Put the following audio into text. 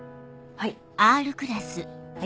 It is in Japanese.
はい。